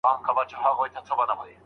څېړونکی تل نوي علمي مهارتونه زده کوي.